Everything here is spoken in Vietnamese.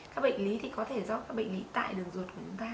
các bệnh lý thì có thể do các bệnh lý tại đường ruột của chúng ta